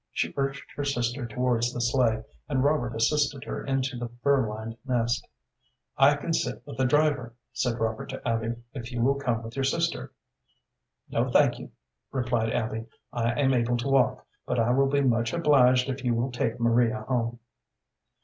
She urged her sister towards the sleigh, and Robert assisted her into the fur lined nest. "I can sit with the driver," said Robert to Abby, "if you will come with your sister." "No, thank you," replied Abby. "I am able to walk, but I will be much obliged if you will take Maria home."